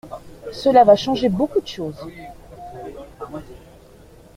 Cela va changer beaucoup de choses.